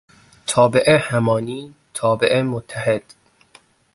تابع همانی، تابع متحد